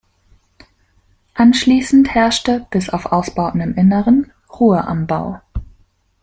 Anschließend herrschte bis auf Ausbauten im Inneren Ruhe am Bau.